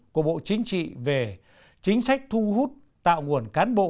của bộ chính trị về chính sách thu hút tạo nguồn cán bộ